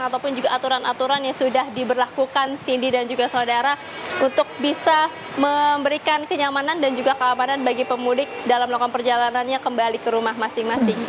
ataupun juga aturan aturan yang sudah diberlakukan cindy dan juga saudara untuk bisa memberikan kenyamanan dan juga keamanan bagi pemudik dalam melakukan perjalanannya kembali ke rumah masing masing